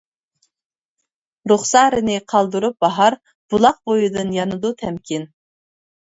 رۇخسارىنى قالدۇرۇپ باھار، بۇلاق بويىدىن يانىدۇ تەمكىن.